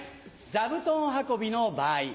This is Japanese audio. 座布団運びの場合。